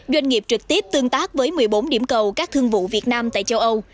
doanh nghiệp trực tiếp tương tác với một mươi bốn điểm cầu các thương vụ việt nam tại châu âu